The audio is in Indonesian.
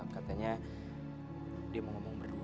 katanya dia mau ngomong berdua